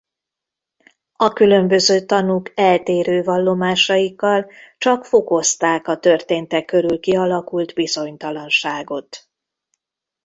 A különböző tanúk eltérő vallomásaikkal csak fokozták a történtek körül kialakult bizonytalanságot.